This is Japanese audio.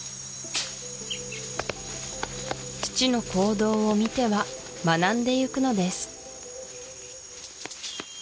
父の行動を見ては学んでいくのです